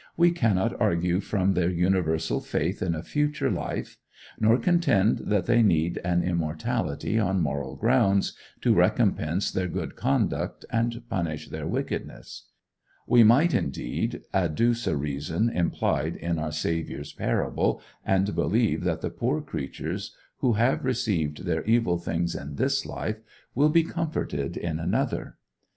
We cannot argue from their universal faith in a future life; nor contend that they need an immortality on moral grounds, to recompense their good conduct and punish their wickedness. We might indeed adduce a reason implied in our Saviour's parable, and believe that the poor creatures who have received their evil things in this life will be comforted in another.